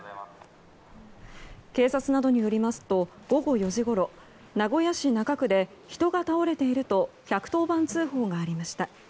警察などによりますと午後４時ごろ名古屋市中区で人が倒れていると１１０番通報がありました。